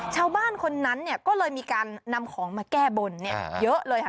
ชาวบ้านคนนั้นก็เลยมีการนำของมาแก้บนเยอะเลยค่ะ